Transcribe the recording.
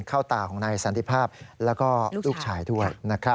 ตาของนายสันติภาพแล้วก็ลูกชายด้วย